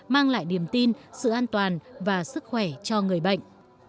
mang lại niềm tin sự an toàn và sức khỏe cho người bệnh